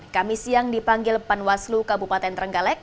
kami siang dipanggil panwaslu kabupaten trenggalek